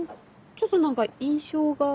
ちょっと何か印象が。